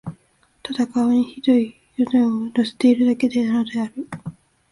ただ、顔に醜い皺を寄せているだけなのである